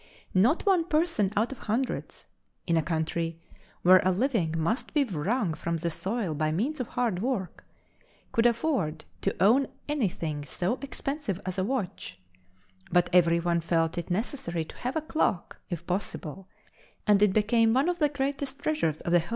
Not one person out of hundreds, in a country where a living must be wrung from the soil by means of hard work, could afford to own anything so expensive as a watch, but every one felt it necessary to have a clock, if possible, and it became one of the greatest treasures of the home.